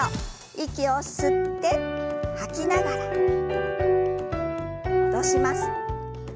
息を吸って吐きながら戻します。